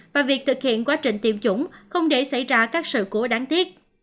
và việc thực hiện quá trình tiêm chủng không để xảy ra các sự cố đáng tiếc